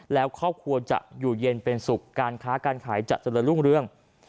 แล้วครอบครัวจะอยู่เย็นเป็นสุขการค้าการขายจะเจริญรุ่งเรื่อง